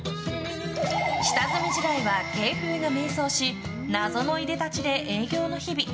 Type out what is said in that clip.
下積み時代は芸風が迷走し謎のいで立ちで営業の日々。